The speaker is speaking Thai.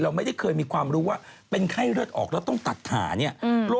ไม่ได้เคยมีความรู้ว่าเป็นไข้เลือดออกแล้วต้องตัดขาเนี่ย